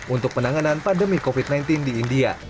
untuk penanganan pandemi covid sembilan belas di india